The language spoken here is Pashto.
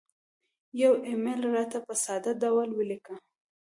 یو ایمیل راته په ساده ډول ولیکه